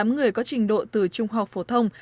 ba mươi tám người có trình độ từ trung học phổ thông